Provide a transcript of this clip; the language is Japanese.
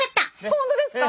本当ですか？